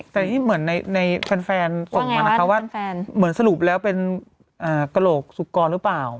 แต่นี่เหมือนในแฟนส่งมานะคะว่าเหมือนสรุปแล้วเป็นกระโหลกสุกรหรือเปล่า